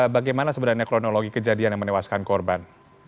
bagaimana sebenarnya kronologi kejadian yang menewaskan korban